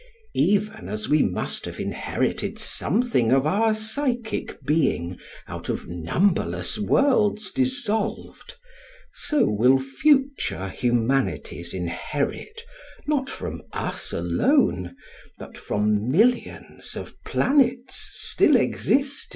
Even as we must have inherited something of our psychic being out of numberless worlds dissolved, so will future humanities inherit, not from us alone, but from millions of planets still existing.